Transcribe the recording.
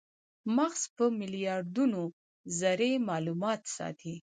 مغز په میلیاردونو ذرې مالومات ساتي.